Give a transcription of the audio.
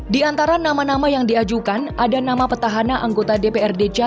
di antara nama nama yang diajukan ada nama petahana anggota dprd jatim lili hendarwajan